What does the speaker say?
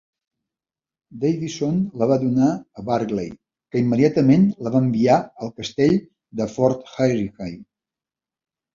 Davison la va donar a Burghley, que immediatament la va enviar al Castell de Fotheringhay.